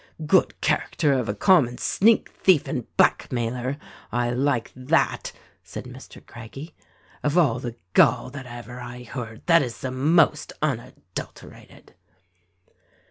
"Good character of a common sneak thief and black mailer! I like that," said Mr. Craggie. "Of all the gall that ever I heard that is the most unadulterated."